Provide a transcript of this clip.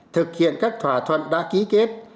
thực hiện các thỏa thuận đã ký kết